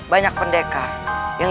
banyak pendekar yang